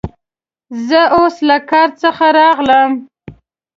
زه اوس له کار څخه راغلم.